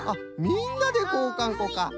みんなでこうかんこか。